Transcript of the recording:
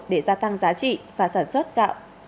để gia tăng giá trị và sản xuất gạo